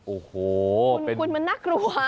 โอ้โหคุณมันน่ากลัว